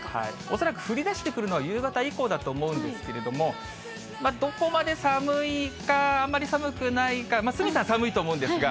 恐らく降りだしてくるのは、夕方以降だと思うんですけれども、どこまで寒いか、あんまり寒くないか、鷲見さん、寒いと思うんですが。